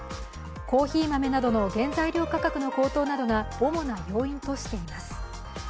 コーヒー豆などの原材料価格の高騰などが主な要因としています。